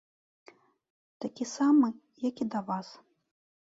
Такі самы, як і да вас.